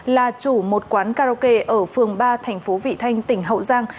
là chủ một quán karaoke ở phường ba tp vị thanh tỉnh hậu giang